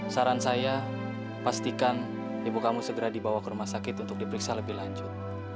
saran saya pastikan ibu kamu segera dibawa ke rumah sakit untuk diperiksa lebih lanjut